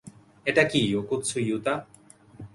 এটা কী, Okkotsu Yuta?